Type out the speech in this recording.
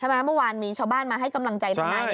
เมื่อวานมีชาวบ้านมาให้กำลังใจทนาย